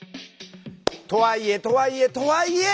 とはいえとはいえとはいえ！